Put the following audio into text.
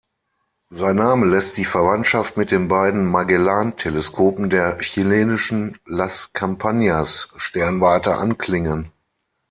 Sein Name lässt die „Verwandtschaft“ mit den beiden Magellan-Teleskopen der chilenischen Las Campanas-Sternwarte anklingen.